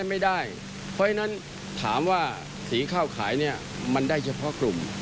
เพราะฉะนั้นถามว่าสีข้าวขายเนี่ยมันได้เฉพาะกลุ่ม